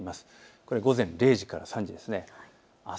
これは午前０時から３時です。